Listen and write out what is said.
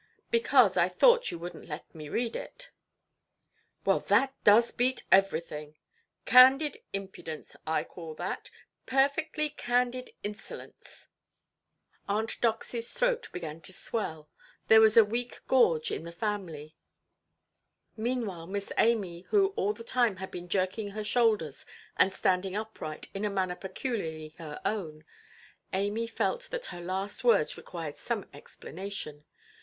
"Because I thought you wouldnʼt let me read it". "Well, that does beat everything. Candid impudence, I call that, perfectly candid insolence"! Aunt Doxyʼs throat began to swell; there was weak gorge in the family. Meanwhile, Miss Amy, who all the time had been jerking her shoulders and standing upright, in a manner peculiarly her own—Amy felt that her last words required some explanation.